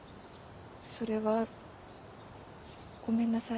それはごめんなさい。